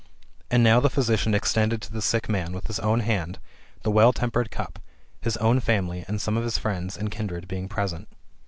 ^^ And now the physician extended to the sick man, with his own hand, the well tempered cup, his own family and some of his friends and kindred being present.